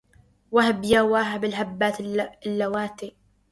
وهب يا واهب الهبات اللواتي